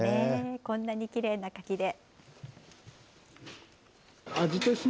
こんなにきれいな柿で。